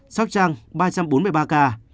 sóc trăng ba trăm bốn mươi ba ca